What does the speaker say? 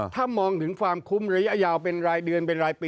ถ้ามองถึงความคุ้มระยะยาวเป็นรายเดือนเป็นรายปี